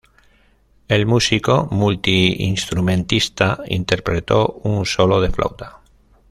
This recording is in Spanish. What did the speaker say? El músico multi-instrumentista interpretó un solo de flauta.